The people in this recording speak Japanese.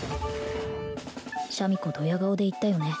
シャミ子ドヤ顔で言ったよね